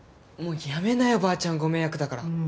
やめなよばあちゃんご迷惑だから。